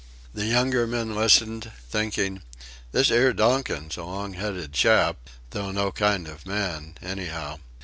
The younger men listened, thinking this 'ere Donkin's a long headed chap, though no kind of man, anyhow.